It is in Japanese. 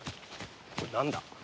これ何だ？